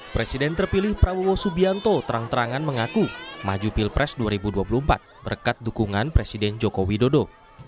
presiden terpilih prabowo subianto terang terangan mengaku maju pilpres dua ribu dua puluh empat berkat dukungan presiden joko widodo